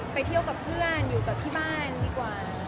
ไปเที่ยวกับเพื่อนอยู่กับที่บ้านดีกว่า